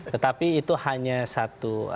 tetapi itu hanya satu